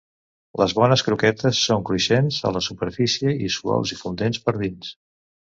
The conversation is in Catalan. Les bones croquetes són cruixents a la superfície i suaus i fundents per dins.